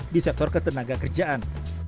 di sektor ketenaga kerjaan